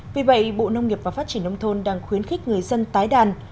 vì vậy bộ nông nghiệp và phát triển nông thôn đang khuyến khích người dân tái đàn